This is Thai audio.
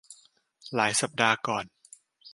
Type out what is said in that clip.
หลายสัปดาห์ก่อน